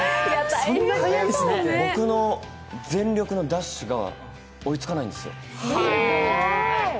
僕の全力のダッシュが追いつかないんですよ。